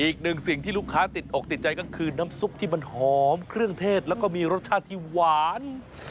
อีกหนึ่งสิ่งที่ลูกค้าติดอกติดใจก็คือน้ำซุปที่มันหอมเครื่องเทศแล้วก็มีรสชาติที่หวาน